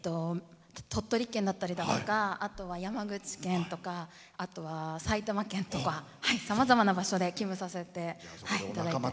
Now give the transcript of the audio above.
鳥取県だったりだとか山口県とかあとは、埼玉県とかさまざまな場所で勤務させていただいて。